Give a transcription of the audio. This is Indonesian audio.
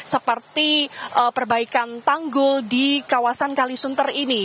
seperti perbaikan tanggul di kawasan kalisunter ini